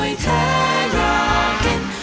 ไข่ไก่โอเยี่ยมอ้างอร่อยแท้อยากกิน